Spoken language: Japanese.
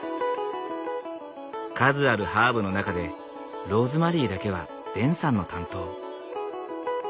数あるハーブの中でローズマリーだけはデンさんの担当。